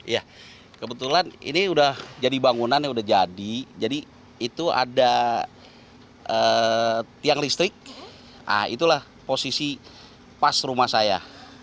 iya kebetulan ini sudah jadi bangunan jadi itu ada tiang listrik itulah posisi pas rumah saya